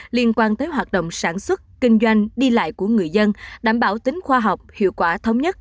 liên quan tới hoạt động sản xuất kinh doanh đi lại của người dân đảm bảo tính khoa học hiệu quả thống nhất